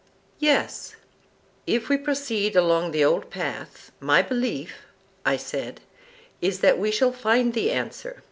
Yes. If we proceed along the old path, my belief, I said, is that we shall find the answer.